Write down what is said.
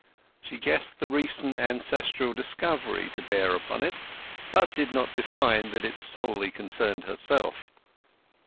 She guessed the recent ancestral discovery to bear upon it, but did not divine that it solely concerned herself.